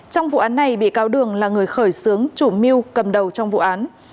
trong vụ án này bị cáo đường là người khởi xướng chủ mưu cầm đầu trong vụ án